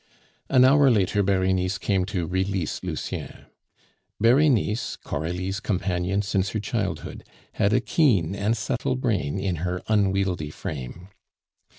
An hour later Berenice came to release Lucien. Berenice, Coralie's companion since her childhood, had a keen and subtle brain in her unwieldy frame.